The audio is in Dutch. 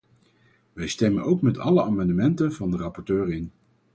Wij stemmen ook met alle amendementen van de rapporteur in.